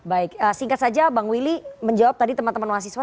baik singkat saja bang willy menjawab tadi teman teman mahasiswa